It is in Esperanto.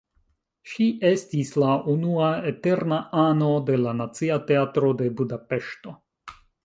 Ŝi estis la unua "eterna ano" de la Nacia Teatro de Budapeŝto.